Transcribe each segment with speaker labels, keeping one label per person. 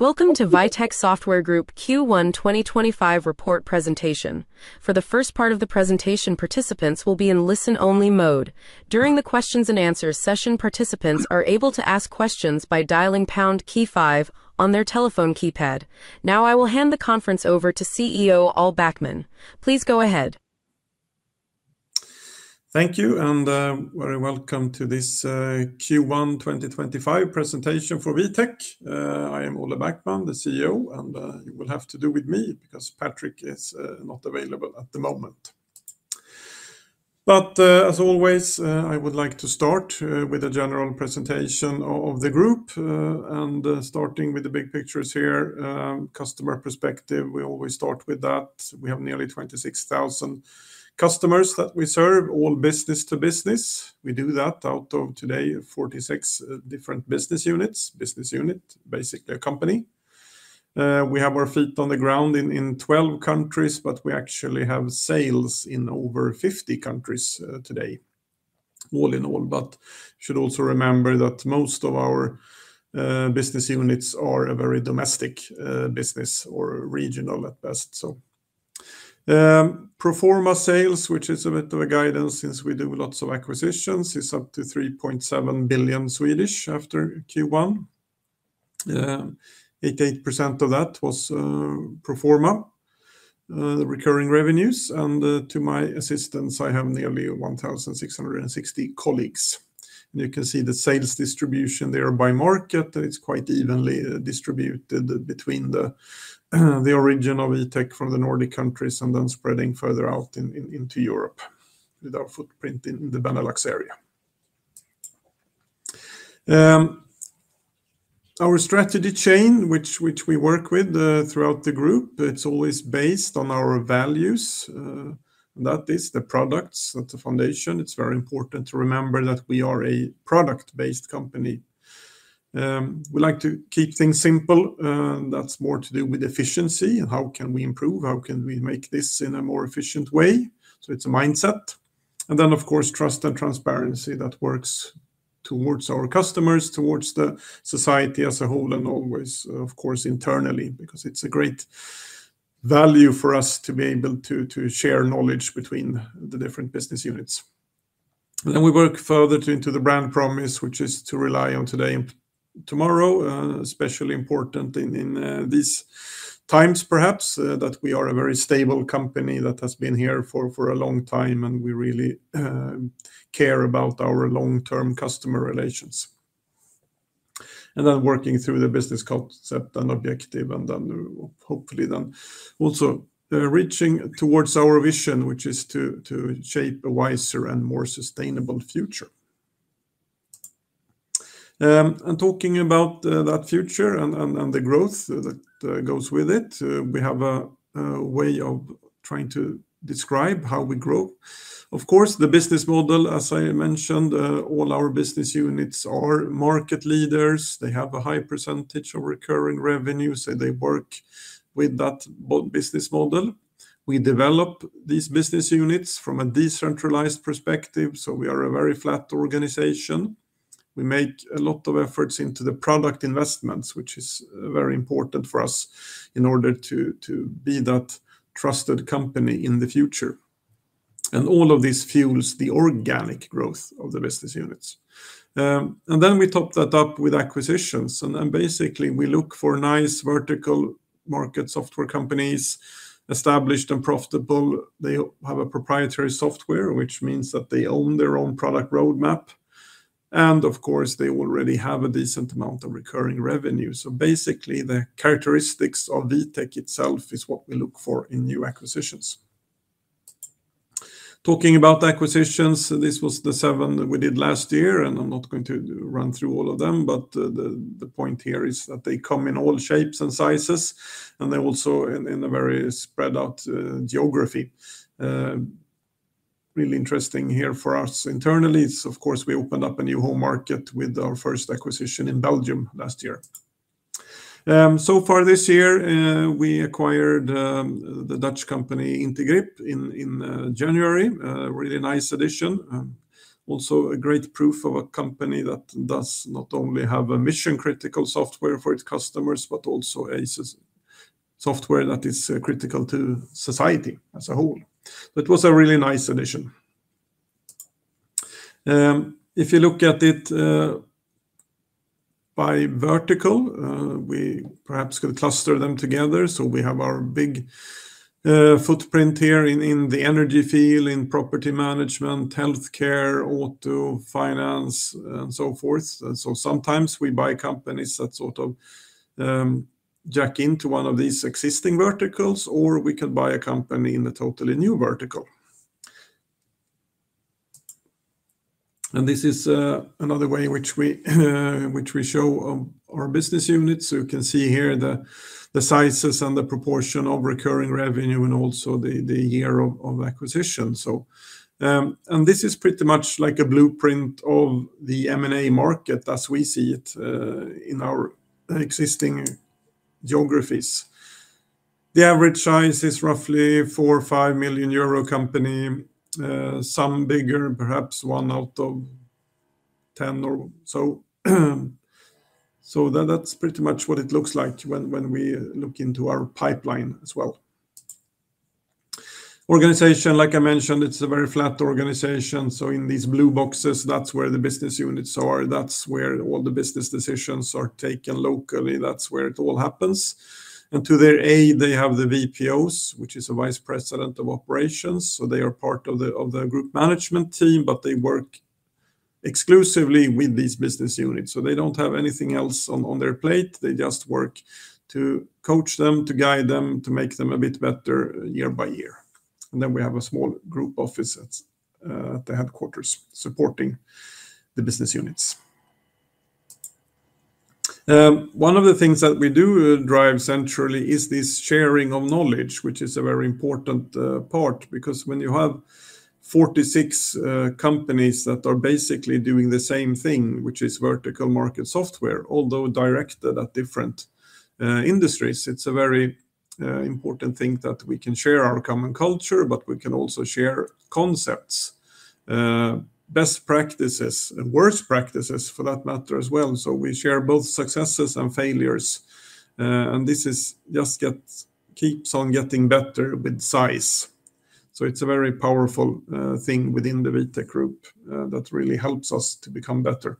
Speaker 1: Welcome to Vitec Software Group Q1 2025 report presentation. For the first part of the presentation, participants will be in listen-only mode. During the Q&A session, participants are able to ask questions by dialing pound key 5 on their telephone keypad. Now, I will hand the conference over to CEO Olle Backman. Please go ahead.
Speaker 2: Thank you, and a very welcome to this Q1 2025 presentation for Vitec. I am Olle Backman, the CEO, and you will have to do with me because Patrik is not available at the moment. As always, I would like to start with a general presentation of the group, starting with the big pictures here: customer perspective. We always start with that. We have nearly 26,000 customers that we serve, all business-to-business. We do that out of, today, 46 different business units. Business unit, basically a company. We have our feet on the ground in 12 countries, but we actually have sales in over 50 countries today. All in all, you should also remember that most of our business units are a very domestic business, or regional at best. Proforma sales, which is a bit of a guidance since we do lots of acquisitions, is up to 3.7 billion after Q1. 88% of that was pro forma, recurring revenues. To my assistance, I have nearly 1,660 colleagues. You can see the sales distribution there by market, and it is quite evenly distributed between the origin of Vitec from the Nordic countries and then spreading further out into Europe with our footprint in the Benelux area. Our strategy chain, which we work with throughout the group, is always based on our values, and that is the products at the foundation. It is very important to remember that we are a product-based company. We like to keep things simple. That is more to do with efficiency. How can we improve? How can we make this in a more efficient way? It is a mindset. Trust and transparency that works towards our customers, towards the society as a whole, and always, of course, internally, because it's a great value for us to be able to share knowledge between the different business units. We work further into the brand promise, which is to rely on today and tomorrow, especially important in these times, perhaps, that we are a very stable company that has been here for a long time, and we really care about our long-term customer relations. Working through the business concept and objective, and then hopefully also reaching towards our vision, which is to shape a wiser and more sustainable future. Talking about that future and the growth that goes with it, we have a way of trying to describe how we grow. Of course, the business model, as I mentioned, all our business units are market leaders. They have a high percentage of recurring revenue, so they work with that business model. We develop these business units from a decentralized perspective, so we are a very flat organization. We make a lot of efforts into the product investments, which is very important for us in order to be that trusted company in the future. All of this fuels the organic growth of the business units. We top that up with acquisitions. Basically, we look for nice vertical market software companies, established and profitable. They have a proprietary software, which means that they own their own product roadmap. Of course, they already have a decent amount of recurring revenue. Basically, the characteristics of Vitec itself is what we look for in new acquisitions. Talking about acquisitions, this was the seven we did last year, and I'm not going to run through all of them, but the point here is that they come in all shapes and sizes, and they're also in a very spread-out geography. Really interesting here for us internally is, of course, we opened up a new home market with our first acquisition in Belgium last year. So far this year, we acquired the Dutch company Intergrip in January. Really nice addition. Also a great proof of a company that does not only have a mission-critical software for its customers, but also software that is critical to society as a whole. It was a really nice addition. If you look at it by vertical, we perhaps could cluster them together. We have our big footprint here in the energy field, in property management, healthcare, auto, finance, and so forth. Sometimes we buy companies that sort of jack into one of these existing verticals, or we can buy a company in a totally new vertical. This is another way in which we show our business units. You can see here the sizes and the proportion of recurring revenue and also the year of acquisition. This is pretty much like a blueprint of the M&A market as we see it in our existing geographies. The average size is roughly 4 million-5 million euro company, some bigger, perhaps one out of 10 or so. That is pretty much what it looks like when we look into our pipeline as well. Organization, like I mentioned, it is a very flat organization. In these blue boxes, that is where the business units are. That is where all the business decisions are taken locally. That is where it all happens. To their aid, they have the VPOs, which is a Vice President of Operations. They are part of the group management team, but they work exclusively with these business units. They do not have anything else on their plate. They just work to coach them, to guide them, to make them a bit better year-by-year. We have a small group office at the headquarters supporting the business units. One of the things that we do drive centrally is this sharing of knowledge, which is a very important part, because when you have 46 companies that are basically doing the same thing, which is vertical market software, although directed at different industries, it is a very important thing that we can share our common culture, but we can also share concepts, best practices, and worst practices for that matter as well. We share both successes and failures. This just keeps on getting better with size. It is a very powerful thing within the Vitec group that really helps us to become better.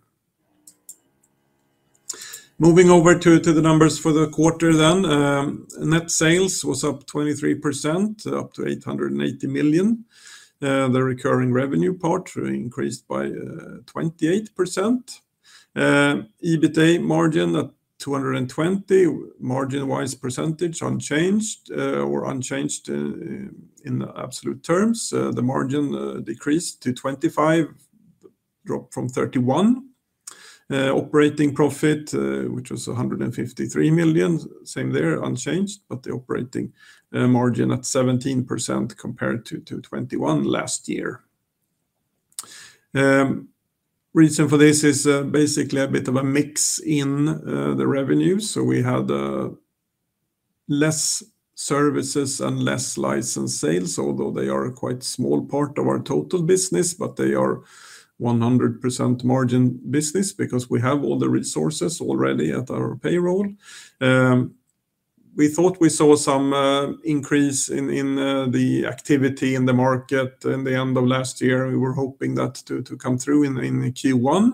Speaker 2: Moving over to the numbers for the quarter then. Net sales was up 23%, up to 880 million. The recurring revenue part increased by 28%. EBITDA margin at 220 million, margin-wise percentage unchanged or unchanged in absolute terms. The margin decreased to 25%, dropped from 31%. Operating profit, which was 153 million, same there, unchanged, but the operating margin at 17% compared to 21% last year. Reason for this is basically a bit of a mix in the revenue. We had less services and less license sales, although they are a quite small part of our total business, but they are 100% margin business because we have all the resources already at our payroll. We thought we saw some increase in the activity in the market in the end of last year. We were hoping that to come through in Q1.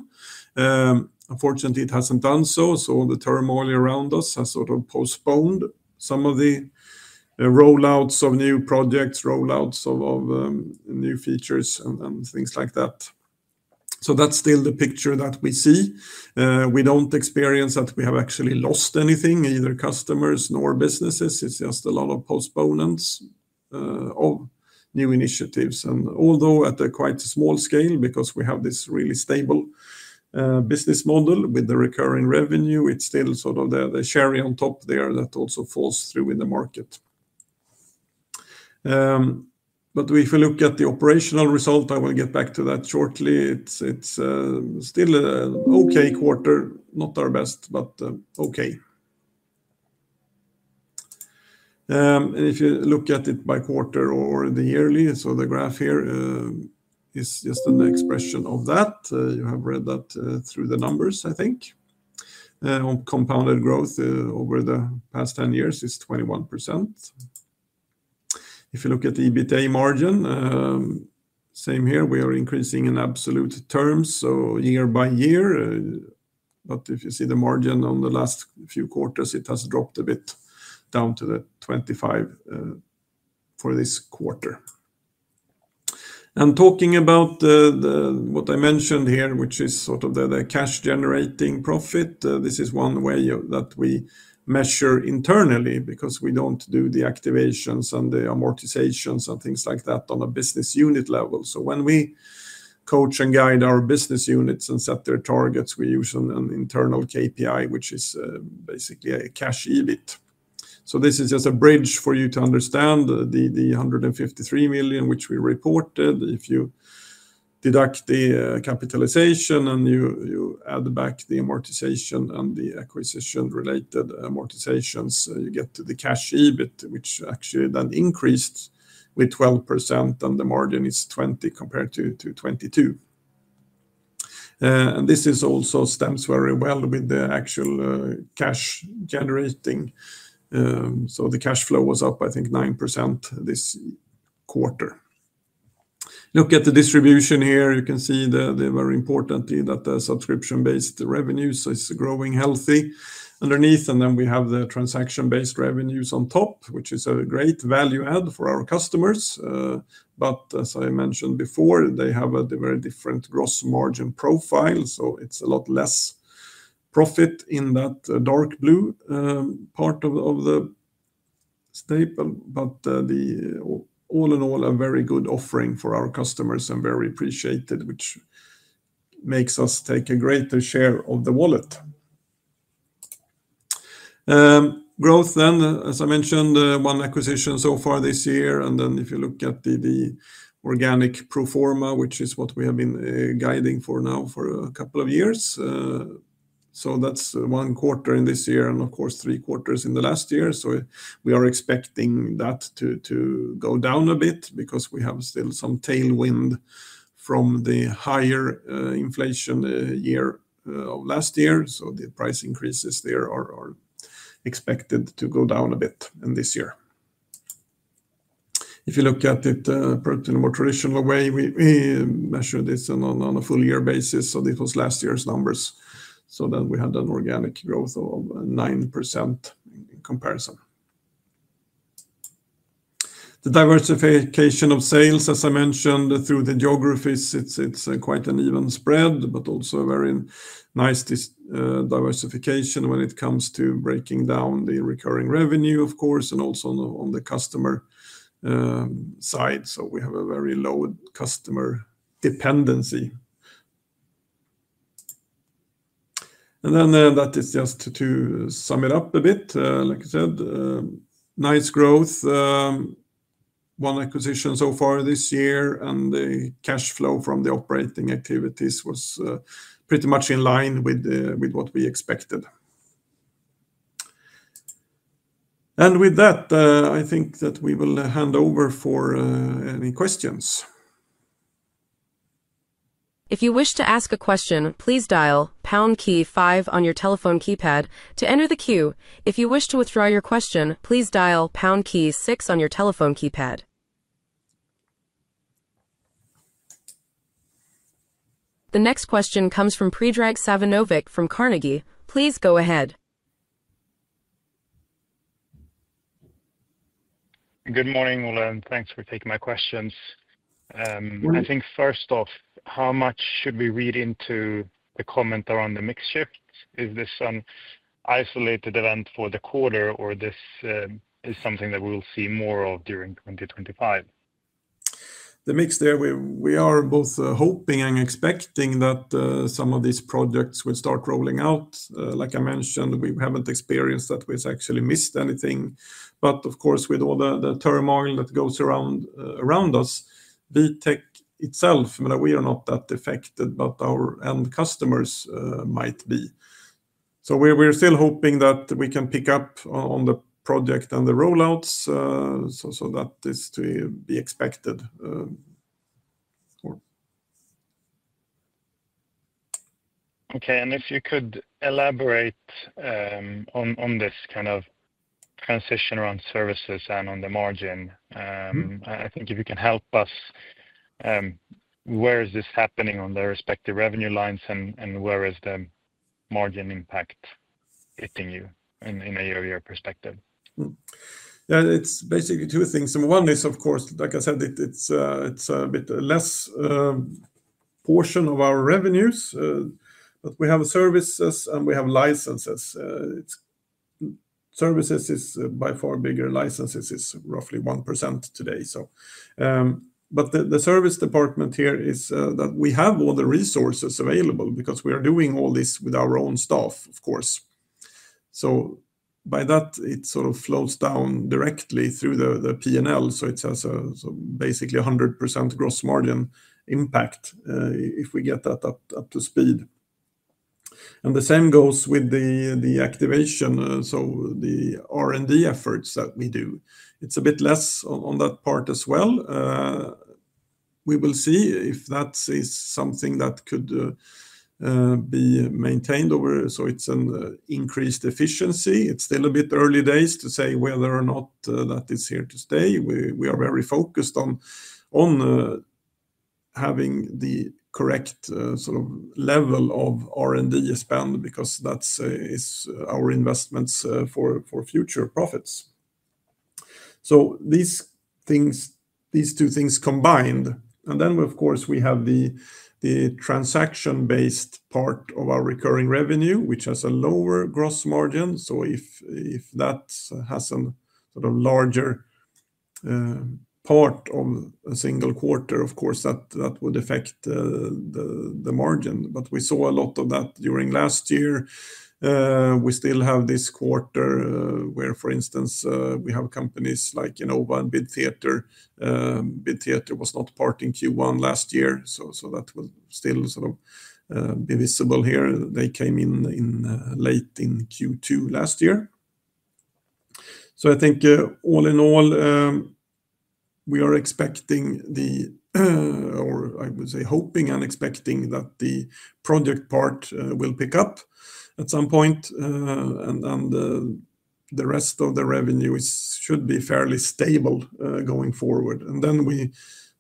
Speaker 2: Unfortunately, it has not done so. The turmoil around us has sort of postponed some of the rollouts of new projects, rollouts of new features, and things like that. That is still the picture that we see. We do not experience that we have actually lost anything, either customers nor businesses. It is just a lot of postponements of new initiatives. Although at a quite small scale, because we have this really stable business model with the recurring revenue, it is still sort of the cherry on top there that also falls through in the market. If we look at the operational result, I will get back to that shortly. It is still an okay quarter, not our best, but okay. If you look at it by quarter or the yearly, the graph here is just an expression of that. You have read that through the numbers, I think. Compounded growth over the past 10 years is 21%. If you look at EBITDA margin, same here. We are increasing in absolute terms, year-by-year. If you see the margin on the last few quarters, it has dropped a bit down to 25% for this quarter. Talking about what I mentioned here, which is sort of the cash-generating profit, this is one way that we measure internally because we do not do the activations and the amortizations and things like that on a business unit level. When we coach and guide our business units and set their targets, we use an internal KPI, which is basically a cash EBIT. This is just a bridge for you to understand the 153 million which we reported. If you deduct the capitalization and you add back the amortization and the acquisition-related amortizations, you get the cash EBIT, which actually then increased with 12%, and the margin is 20% compared to 22%. This also stems very well with the actual cash generating. The cash flow was up, I think, 9% this quarter. Look at the distribution here. You can see the very important thing that the subscription-based revenues is growing healthy underneath. Then we have the transaction-based revenues on top, which is a great value add for our customers. As I mentioned before, they have a very different gross margin profile. It is a lot less profit in that dark blue part of the staple. All in all, a very good offering for our customers and very appreciated, which makes us take a greater share of the wallet. Growth then, as I mentioned, one acquisition so far this year. If you look at the organic pro forma, which is what we have been guiding for now for a couple of years, that is one quarter in this year and, of course, three quarters in the last year. We are expecting that to go down a bit because we still have some tailwind from the higher inflation year of last year. The price increases there are expected to go down a bit in this year. If you look at it in a more traditional way, we measure this on a full year basis. This was last year's numbers. We had an organic growth of 9% in comparison. The diversification of sales, as I mentioned, through the geographies, it's quite an even spread, but also a very nice diversification when it comes to breaking down the recurring revenue, of course, and also on the customer side. We have a very low customer dependency. That is just to sum it up a bit. Like I said, nice growth. One acquisition so far this year, and the cash flow from the operating activities was pretty much in line with what we expected. With that, I think that we will hand over for any questions.
Speaker 1: If you wish to ask a question, please dial pound key five on your telephone keypad to enter the queue. If you wish to withdraw your question, please dial pound key six on your telephone keypad. The next question comes from Predrag Savinovic from Carnegie. Please go ahead.
Speaker 3: Good morning, Olle. Thanks for taking my questions. I think first off, how much should we read into the comment around the mix shift? Is this an isolated event for the quarter, or is this something that we will see more of during 2025?
Speaker 2: The mix there, we are both hoping and expecting that some of these projects will start rolling out. Like I mentioned, we have not experienced that we have actually missed anything. Of course, with all the turmoil that goes around us, Vitec itself, we are not that affected, but our end customers might be. We are still hoping that we can pick up on the project and the rollouts so that this to be expected.
Speaker 3: Okay. If you could elaborate on this kind of transition around services and on the margin, I think if you can help us, where is this happening on the respective revenue lines and where is the margin impact hitting you in a year-over-year perspective?
Speaker 2: Yeah, it's basically two things. Number one is, of course, like I said, it's a bit less portion of our revenues, but we have services and we have licenses. Services is by far bigger. Licenses is roughly 1% today. The service department here is that we have all the resources available because we are doing all this with our own staff, of course. By that, it sort of flows down directly through the P&L. It's basically 100% gross margin impact if we get that up to speed. The same goes with the activation. The R&D efforts that we do, it's a bit less on that part as well. We will see if that is something that could be maintained over. It's an increased efficiency. It's still a bit early days to say whether or not that is here to stay. We are very focused on having the correct sort of level of R&D spend because that is our investments for future profits. These two things combined, and then of course, we have the transaction-based part of our recurring revenue, which has a lower gross margin. If that has a larger part of a single quarter, of course, that would affect the margin. We saw a lot of that during last year. We still have this quarter where, for instance, we have companies like Enova and BidTheatre. BidTheatre was not part in Q1 last year. That will still sort of be visible here. They came in late in Q2 last year. I think all in all, we are expecting the, or I would say hoping and expecting that the project part will pick up at some point. The rest of the revenue should be fairly stable going forward. We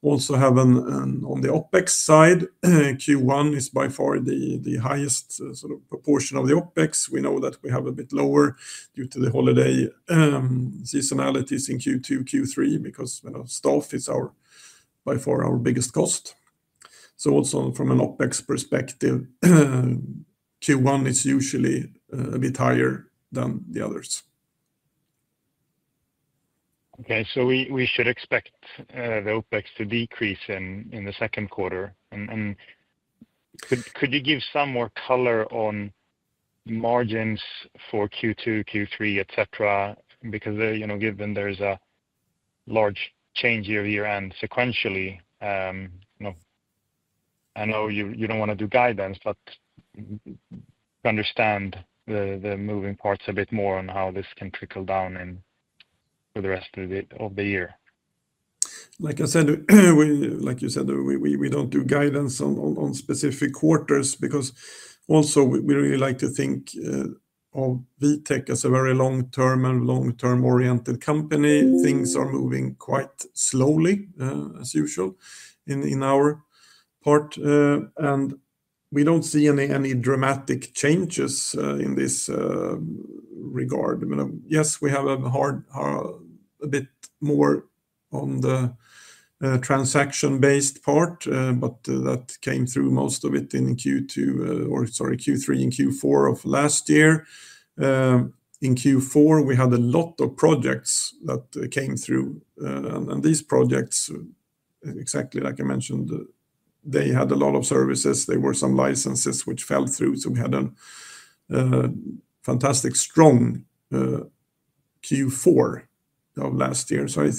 Speaker 2: also have on the OpEx side, Q1 is by far the highest sort of proportion of the OpEx. We know that we have a bit lower due to the holiday seasonalities in Q2, Q3, because staff is by far our biggest cost. Also from an OpEx perspective, Q1 is usually a bit higher than the others.
Speaker 3: Okay. We should expect the OpEx to decrease in the second quarter. Could you give some more color on margins for Q2, Q3, etc.? Because given there is a large change year-to-year and sequentially, I know you do not want to do guidance, but understand the moving parts a bit more on how this can trickle down for the rest of the year.
Speaker 2: Like I said, like you said, we don't do guidance on specific quarters because also we really like to think of Vitec as a very long-term and long-term oriented company. Things are moving quite slowly as usual in our part. We don't see any dramatic changes in this regard. Yes, we have a bit more on the transaction-based part, but that came through most of it in Q2 or sorry, Q3 and Q4 of last year. In Q4, we had a lot of projects that came through. These projects, exactly like I mentioned, they had a lot of services. There were some licenses which fell through. We had a fantastic strong Q4 of last year. I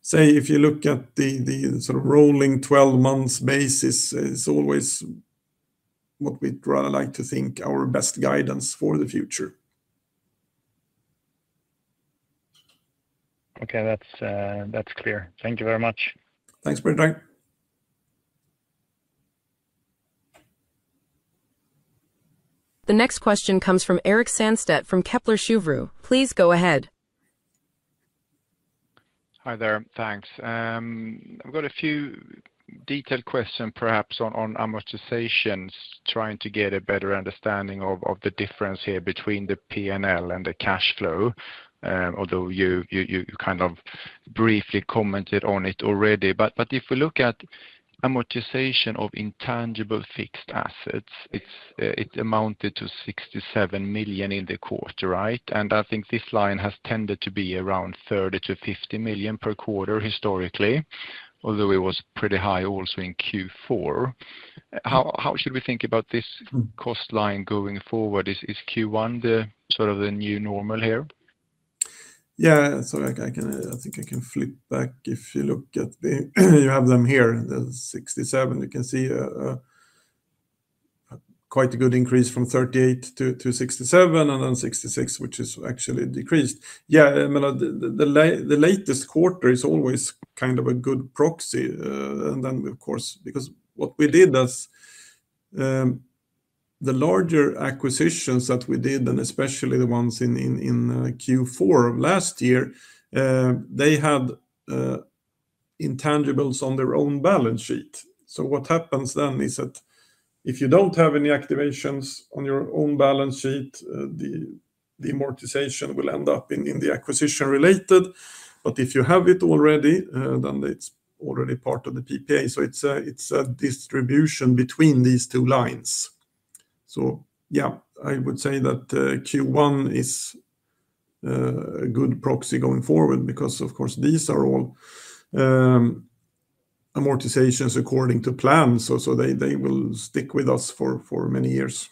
Speaker 2: say if you look at the sort of rolling 12-month basis, it's always what we'd rather like to think our best guidance for the future.
Speaker 3: Okay. That's clear. Thank you very much.
Speaker 2: Thanks, Predrag. The next question comes from Erik Sandstedt from Kepler Cheuvreux. Please go ahead.
Speaker 4: Hi there. Thanks. I've got a few detailed questions perhaps on amortizations, trying to get a better understanding of the difference here between the P&L and the cash flow, although you kind of briefly commented on it already. If we look at amortization of intangible fixed assets, it amounted to 67 million in the quarter, right? I think this line has tended to be around 30 million-50 million per quarter historically, although it was pretty high also in Q4. How should we think about this cost line going forward? Is Q1 sort of the new normal here?
Speaker 2: Yeah. I think I can flip back. If you look at the, you have them here, the 67. You can see quite a good increase from 38 to 67 and then 66, which has actually decreased. Yeah. The latest quarter is always kind of a good proxy. Of course, what we did is the larger acquisitions that we did, and especially the ones in Q4 of last year, they had intangibles on their own balance sheet. What happens then is that if you do not have any activations on your own balance sheet, the amortization will end up in the acquisition related. If you have it already, then it is already part of the PPA. It is a distribution between these two lines. I would say that Q1 is a good proxy going forward because, of course, these are all amortizations according to plan. They will stick with us for many years.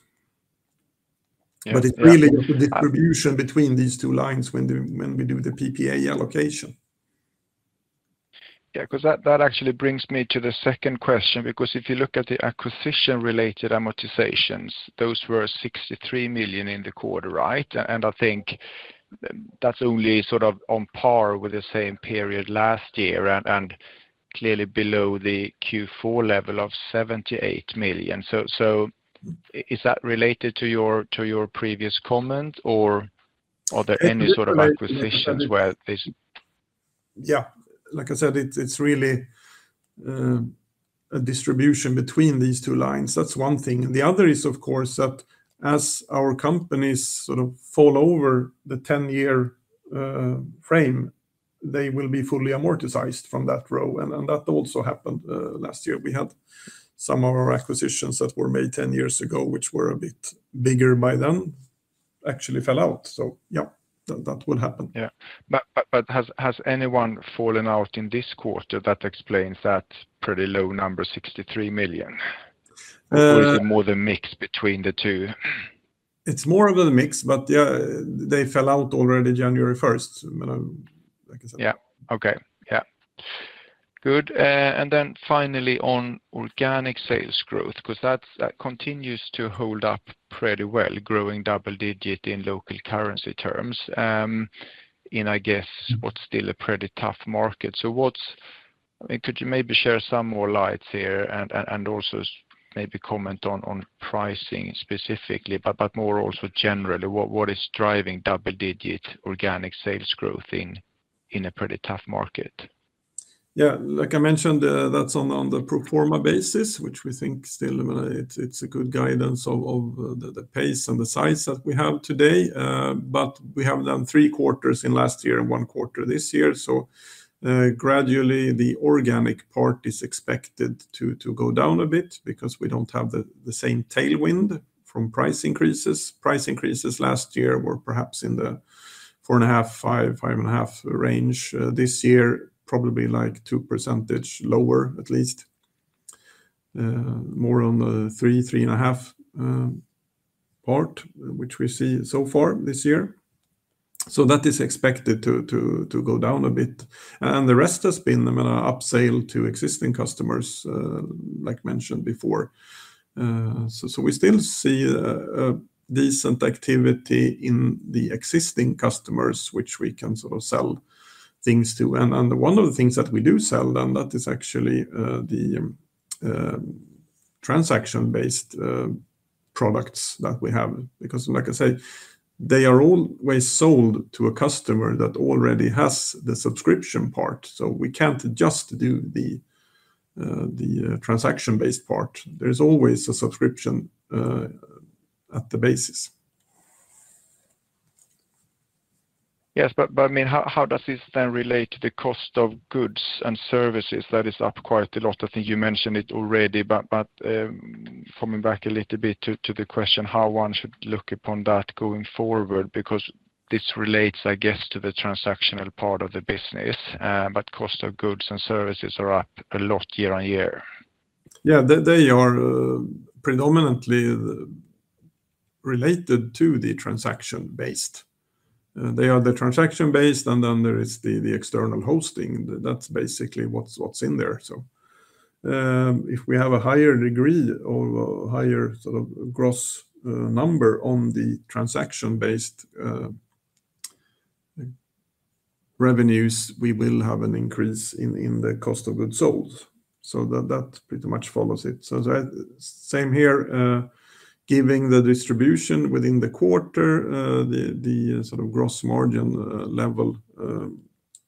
Speaker 2: It is really a distribution between these two lines when we do the PPA allocation.
Speaker 4: Yeah. Because that actually brings me to the second question. Because if you look at the acquisition-related amortizations, those were 63 million in the quarter, right? And I think that's only sort of on par with the same period last year and clearly below the Q4 level of 78 million. Is that related to your previous comment, or are there any sort of acquisitions where this?
Speaker 2: Yeah. Like I said, it's really a distribution between these two lines. That's one thing. The other is, of course, that as our companies sort of fall over the 10-year frame, they will be fully amortized from that row. That also happened last year. We had some of our acquisitions that were made 10 years ago, which were a bit bigger by then, actually fell out. Yeah, that will happen.
Speaker 4: Yeah. Has anyone fallen out in this quarter that explains that pretty low number, 63 million? Or is it more the mix between the two?
Speaker 2: It's more of a mix, but yeah, they fell out already January 1st.
Speaker 4: Yeah. Okay. Yeah. Good. Finally, on organic sales growth, because that continues to hold up pretty well, growing double-digit in local currency terms in, I guess, what is still a pretty tough market. Could you maybe share some more lights here and also maybe comment on pricing specifically, but more also generally, what is driving double-digit organic sales growth in a pretty tough market?
Speaker 2: Yeah. Like I mentioned, that's on the pro forma basis, which we think still it's a good guidance of the pace and the size that we have today. We have done three quarters in last year and one quarter this year. Gradually, the organic part is expected to go down a bit because we don't have the same tailwind from price increases. Price increases last year were perhaps in the 4.5-5.5% range. This year, probably like 2 percentage points lower at least, more on the 3-3.5% part, which we see so far this year. That is expected to go down a bit. The rest has been an upsale to existing customers, like mentioned before. We still see decent activity in the existing customers, which we can sort of sell things to. One of the things that we do sell then, that is actually the transaction-based products that we have. Because like I say, they are always sold to a customer that already has the subscription part. We can't just do the transaction-based part. There is always a subscription at the basis. Yes. I mean, how does this then relate to the cost of goods and services that is up quite a lot? I think you mentioned it already. Coming back a little bit to the question how one should look upon that going forward, because this relates, I guess, to the transactional part of the business, but cost of goods and services are up a lot year-on-year. Yeah. They are predominantly related to the transaction-based. They are the transaction-based, and then there is the external hosting. That's basically what's in there. If we have a higher degree or higher sort of gross number on the transaction-based revenues, we will have an increase in the cost of goods sold. That pretty much follows it. Same here, giving the distribution within the quarter, the sort of gross margin level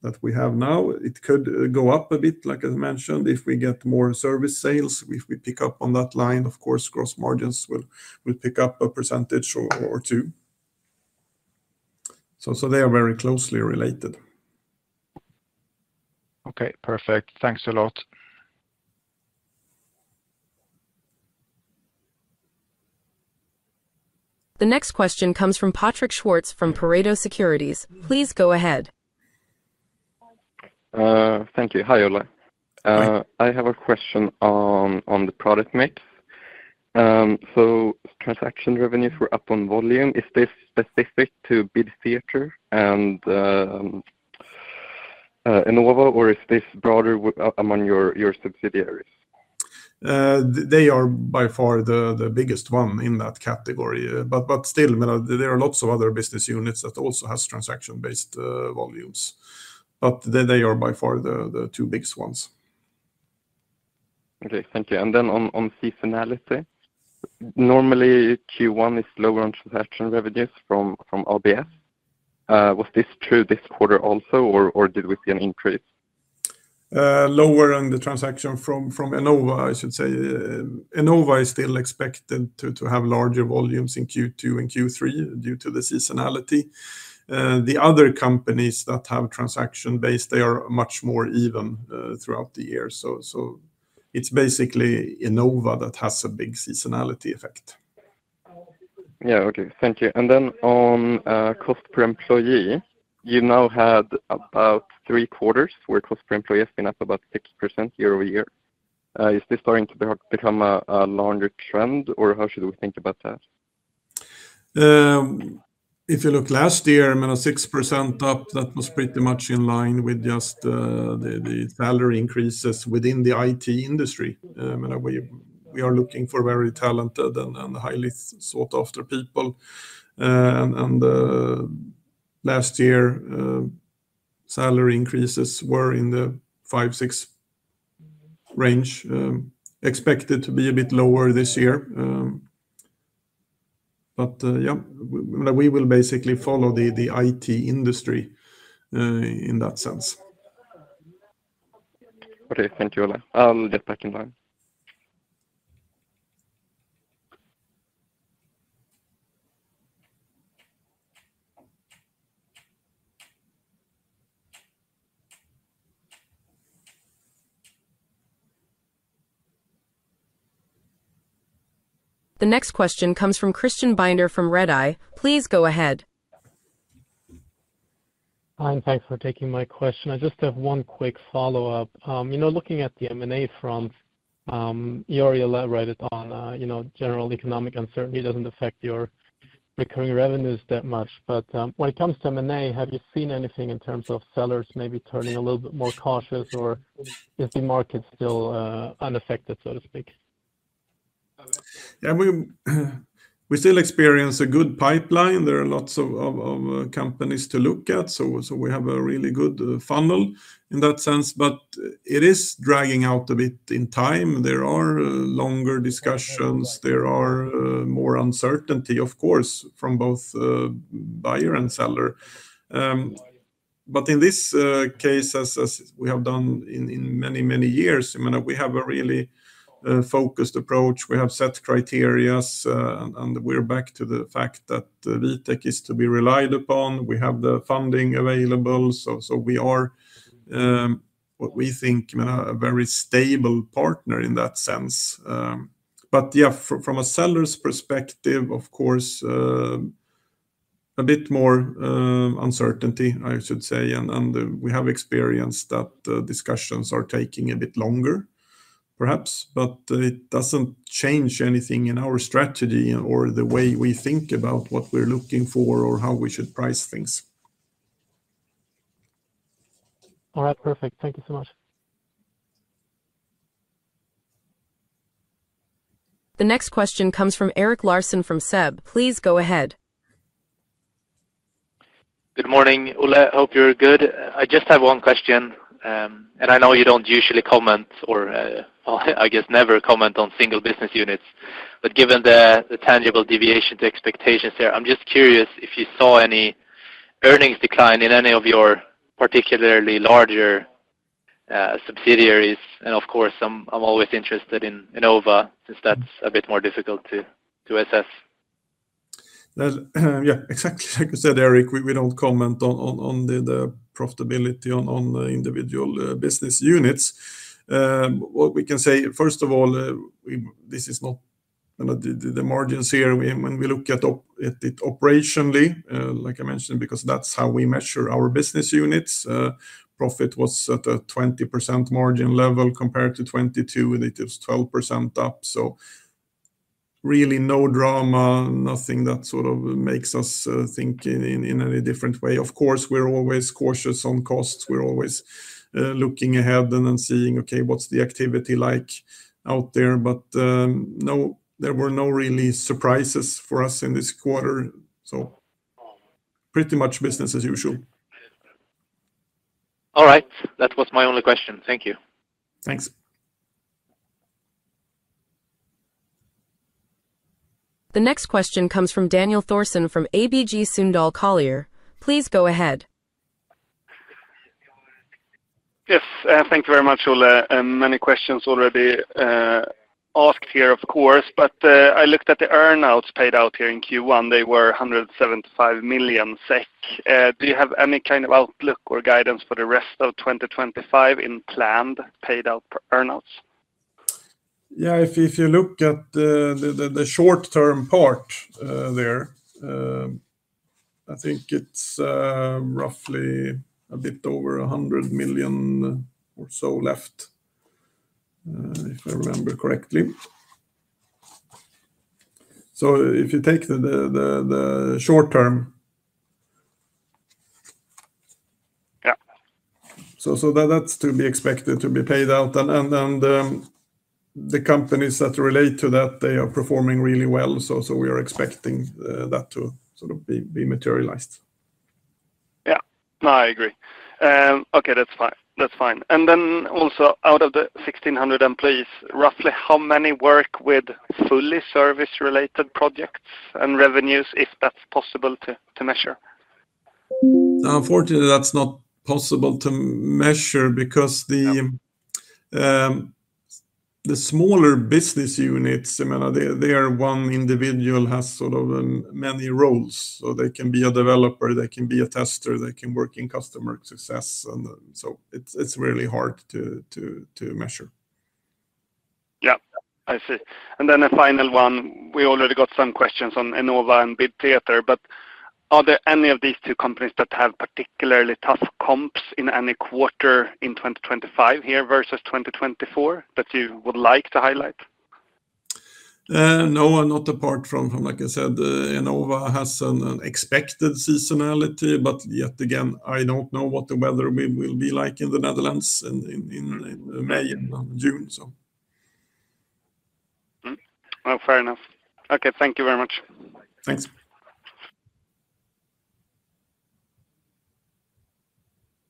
Speaker 2: that we have now, it could go up a bit, like I mentioned, if we get more service sales. If we pick up on that line, of course, gross margins will pick up a percentage or two. They are very closely related.
Speaker 4: Okay. Perfect. Thanks a lot.
Speaker 1: The next question comes from Patrik Schwartz from Pareto Securities. Please go ahead.
Speaker 5: Thank you. Hi, Olle. I have a question on the product mix. Transaction revenues were up on volume. Is this specific to Bid Theatre and Enova, or is this broader among your subsidiaries?
Speaker 2: They are by far the biggest one in that category. Still, there are lots of other business units that also have transaction-based volumes. They are by far the two biggest ones.
Speaker 5: Okay. Thank you. On seasonality, normally Q1 is lower on transaction revenues from ABS. Was this true this quarter also, or did we see an increase?
Speaker 2: Lower on the transaction from Enova, I should say. Enova is still expected to have larger volumes in Q2 and Q3 due to the seasonality. The other companies that have transaction-based, they are much more even throughout the year. It is basically Enova that has a big seasonality effect.
Speaker 5: Okay. Thank you. You now had about three quarters where cost per employee has been up about 6% year-over-year. Is this starting to become a larger trend, or how should we think about that?
Speaker 2: If you look last year, 6% up, that was pretty much in line with just the salary increases within the IT industry. We are looking for very talented and highly sought-after people. Last year, salary increases were in the 5-6% range. Expected to be a bit lower this year. Yeah, we will basically follow the IT industry in that sense.
Speaker 5: Okay. Thank you, Olle. I'll get back in line.
Speaker 1: The next question comes from Christian Binder from Redeye. Please go ahead.
Speaker 6: Hi. Thanks for taking my question. I just have one quick follow-up. Looking at the M&A front, you already said general economic uncertainty does not affect your recurring revenues that much. When it comes to M&A, have you seen anything in terms of sellers maybe turning a little bit more cautious, or is the market still unaffected, so to speak?
Speaker 2: Yeah. We still experience a good pipeline. There are lots of companies to look at. We have a really good funnel in that sense. It is dragging out a bit in time. There are longer discussions. There is more uncertainty, of course, from both buyer and seller. In this case, as we have done in many, many years, we have a really focused approach. We have set criteria, and we are back to the fact that Vitec is to be relied upon. We have the funding available. We are, what we think, a very stable partner in that sense. Yeah, from a seller's perspective, of course, a bit more uncertainty, I should say. We have experienced that discussions are taking a bit longer, perhaps. It does not change anything in our strategy or the way we think about what we are looking for or how we should price things.
Speaker 6: All right. Perfect. Thank you so much.
Speaker 1: The next question comes from Erik Larsen from SEB. Please go ahead.
Speaker 7: Good morning, Olle. I hope you're good. I just have one question. I know you don't usually comment, or I guess never comment on single business units. Given the tangible deviation to expectations here, I'm just curious if you saw any earnings decline in any of your particularly larger subsidiaries. Of course, I'm always interested in Enova since that's a bit more difficult to assess.
Speaker 2: Yeah. Exactly. Like I said, Eric, we don't comment on the profitability on the individual business units. What we can say, first of all, this is not the margins here. When we look at it operationally, like I mentioned, because that's how we measure our business units, profit was at a 20% margin level compared to 22%, and it was 12% up. Really no drama, nothing that sort of makes us think in any different way. Of course, we're always cautious on costs. We're always looking ahead and then seeing, okay, what's the activity like out there. No, there were no really surprises for us in this quarter. Pretty much business as usual.
Speaker 8: All right. That was my only question. Thank you.
Speaker 2: Thanks.
Speaker 1: The next question comes from Daniel Thorsson from ABG Sundal Collier. Please go ahead.
Speaker 9: Yes. Thank you very much, Olle. Many questions already asked here, of course. I looked at the earnings paid out here in Q1. They were 175 million SEK. Do you have any kind of outlook or guidance for the rest of 2025 in planned paid out earnings?
Speaker 2: Yeah. If you look at the short-term part there, I think it's roughly a bit over 100 million or so left, if I remember correctly. If you take the short-term. Yeah. That is to be expected to be paid out. The companies that relate to that, they are performing really well. We are expecting that to sort of be materialized.
Speaker 9: Yeah. No, I agree. Okay. That's fine. That's fine. And then also, out of the 1,600 employees, roughly how many work with fully service-related projects and revenues, if that's possible to measure?
Speaker 2: Unfortunately, that's not possible to measure because the smaller business units, they are one individual has sort of many roles. They can be a developer, they can be a tester, they can work in customer success. It's really hard to measure.
Speaker 9: Yeah. I see. A final one. We already got some questions on Enova and BidTheatre. Are there any of these two companies that have particularly tough comps in any quarter in 2025 here versus 2024 that you would like to highlight?
Speaker 2: No, not apart from, like I said, Enova has an expected seasonality. Yet again, I don't know what the weather will be like in the Netherlands in May and June, so.
Speaker 9: Fair enough. Okay. Thank you very much.
Speaker 2: Thanks.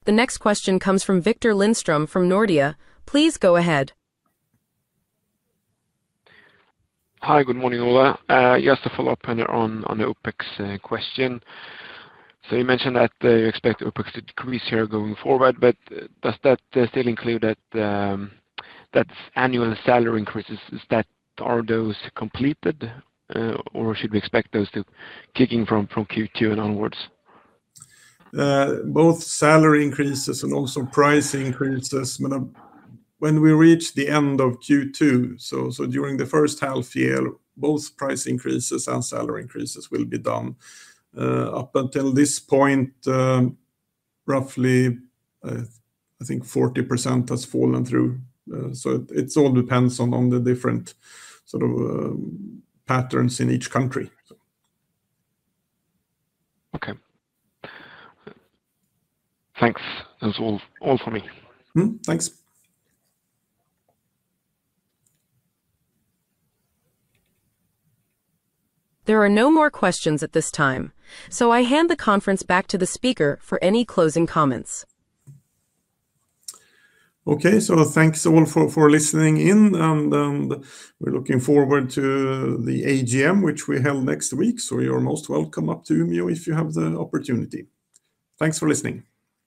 Speaker 2: The next question comes from Viktor Lindström from Nordea. Please go ahead.
Speaker 10: Hi. Good morning, Olle. Just to follow up on the OpEx question. You mentioned that you expect OpEx to decrease here going forward. Does that still include that annual salary increases? Are those completed, or should we expect those to kick in from Q2 and onwards?
Speaker 2: Both salary increases and also price increases. When we reach the end of Q2, during the first half year, both price increases and salary increases will be done. Up until this point, roughly, I think 40% has fallen through. It all depends on the different sort of patterns in each country.
Speaker 10: Okay. Thanks. That's all for me.
Speaker 2: Thanks.
Speaker 1: There are no more questions at this time. I hand the conference back to the speaker for any closing comments.
Speaker 2: Okay. Thanks all for listening in. We're looking forward to the AGM, which we hold next week. You're most welcome up to Umeå if you have the opportunity. Thanks for listening.